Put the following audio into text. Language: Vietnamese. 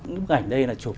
bức ảnh đây là chụp